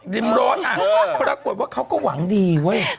ริมโรสอ่ะปรากฏเขาก็หวังดีอ้ว้ย